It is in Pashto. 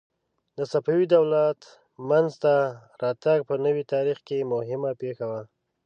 د صفوي دولت منځته راتګ په نوي تاریخ کې مهمه پېښه وه.